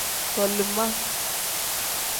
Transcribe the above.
Tolima.